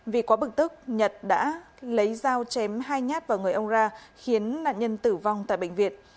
vì quá bực tức nhật đã lấy dao chém hai nhát vào người ông ra khiến nạn nhân tử vong tại bệnh viện